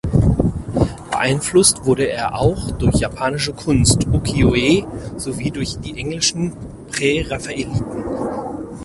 Beeinflusst wurde er auch durch japanische Kunst, Ukiyo-e sowie durch die englischen Präraffaeliten.